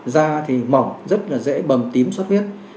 da thì mỏng rất là dễ bầm tím xuất huyết